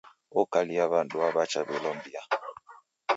Okalia w'andu waw'achaw'ilombia.